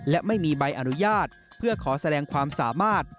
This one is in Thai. และไม่มีใบอนุญาตเพื่อขอแสดงความสามารถ